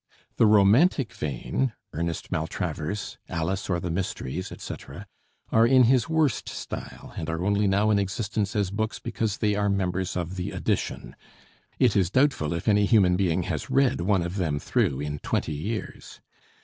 The romantic vein ('Ernest Maltravers,' 'Alice, or the Mysteries,' etc.) are in his worst style, and are now only in existence as books because they are members of "the edition," It is doubtful if any human being has read one of them through in twenty years.